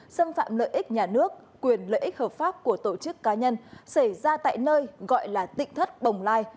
xâm phạm lợi ích nhà nước quyền lợi ích hợp pháp của tổ chức cá nhân xảy ra tại nơi gọi là tịnh thất bồng lai